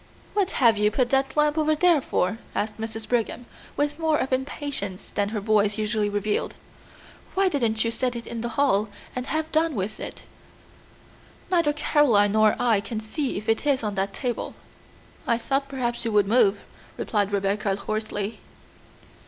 "What have you put that lamp over there for?" asked Mrs. Brigham, with more of impatience than her voice usually revealed. "Why didn't you set it in the hall, and have done with it? Neither Caroline nor I can see if it is on that table." "I thought perhaps you would move," replied Rebecca hoarsely.